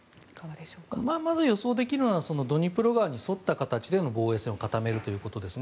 まず予想できるのはドニプロ川に沿った形で防衛線を固めるということです。